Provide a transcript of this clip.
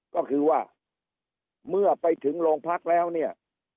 ก็คือว่าเมื่อไปถึงโรงพักแล้วเนี่ย